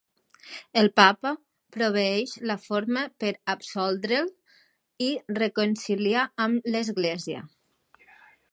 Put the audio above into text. El Papa proveeix la forma per absoldre'l i reconciliar amb l'Església.